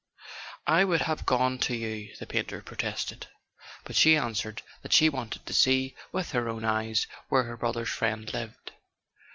"I would have gone to you," the painter protested; but she answered that she wanted to see with her own eyes where her brother's friend lived.